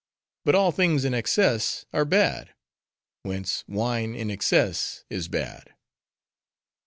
But all things in excess are bad: whence wine in excess is bad."